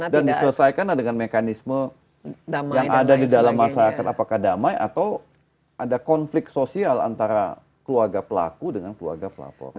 dan diselesaikan dengan mekanisme yang ada di dalam masyarakat apakah damai atau ada konflik sosial antara keluarga pelaku dengan keluarga pelaporan